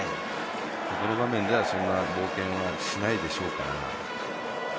この場面では、そんな冒険はしないでしょうから。